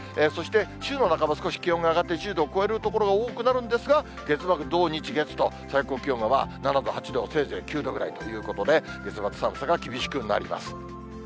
そして週の半ば、少し気温が上がって、１０度を超える所が多いんですが、月末、土、日、月と、最高気温が７度、８度、せいぜい９度ぐらいということで、月末、寒さが厳しくなります。